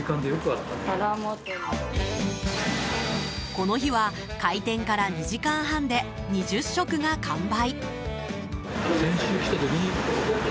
この日は、開店から２時間半で２０食が完売。